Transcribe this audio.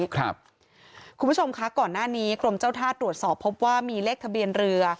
คุณผู้ชมคะก่อนหน้านี้กรมเจ้าท่าตรวจสอบพบว่ามีเลขทะเบียนเรือ